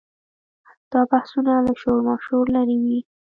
دا بحثونه له شورماشوره لرې وي.